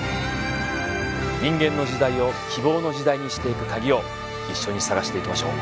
人間の時代を希望の時代にしていくカギを一緒に探していきましょう！